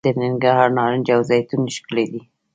د ننګرهار نارنج او زیتون ښکلي دي.